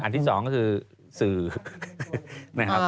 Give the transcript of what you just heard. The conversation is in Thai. ที่สองก็คือสื่อนะครับ